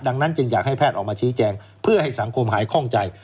ดังนั้นจึงอยากให้แพทย์ออกมาชี้แจงเพื่อให้สังคมหายคล่องใจ